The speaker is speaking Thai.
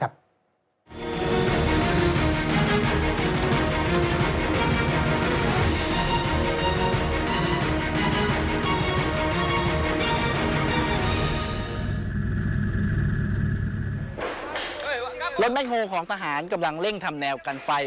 รถแบคโฮลของทหารกำลังเร่งทำแนวกันไฟ